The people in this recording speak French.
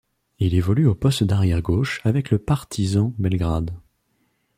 Il évolue au poste d'arrière gauche avec le Partizan Belgrade.